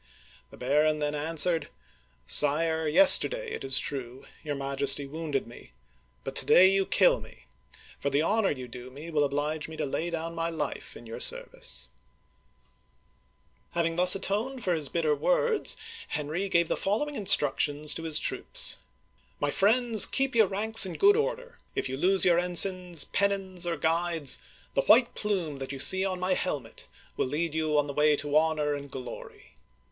The baron then answered :" Sire, yesterday, it is true, your Majesty wounded me, but to day you kill me, for the honor you do me will oblige me to lay down my life in your service !'* Having thus atoned for his bitter words, Henry gave the following instructions to his troops :" My friends, keep your ranks in good order. If you lose your ensigns, pen nons, or guides, the white plume that you see on my hel met will lead you on the way to honor and glory